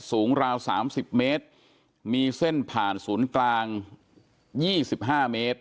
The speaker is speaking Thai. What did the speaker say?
ราว๓๐เมตรมีเส้นผ่านศูนย์กลาง๒๕เมตร